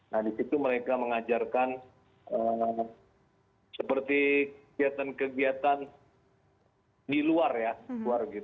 nah di situ mereka mengajarkan seperti kegiatan kegiatan di luar ya